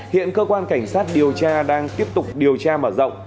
hiện cơ quan cảnh sát điều tra đang tiếp tục điều tra mở rộng